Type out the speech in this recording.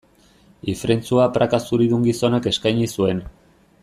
Ifrentzua praka zuridun gizonak eskaini zuen.